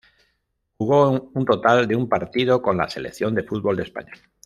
Jugó un total de un partido con la selección de fútbol de España.